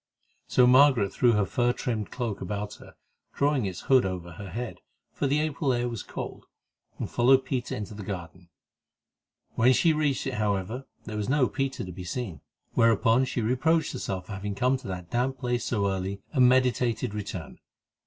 So Margaret threw her fur trimmed cloak about her, drawing its hood over her head, for the April air was cold, and followed Peter into the garden. When she reached it, however, there was no Peter to be seen, whereon she reproached herself for having come to that damp place so early and meditated return.